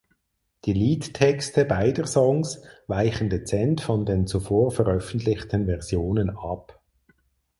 Die Liedtexte beider Songs weichen dezent von den zuvor veröffentlichten Versionen ab.